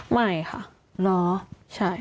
ไม่ค่ะใช่